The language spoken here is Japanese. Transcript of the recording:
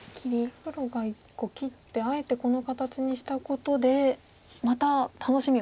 黒が１個切ってあえてこの形にしたことでまた楽しみがあると。